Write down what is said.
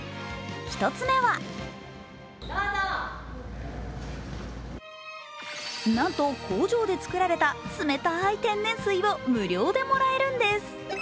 １つ目はなんと工場で作られた冷たい天然水を無料でもらえるんです。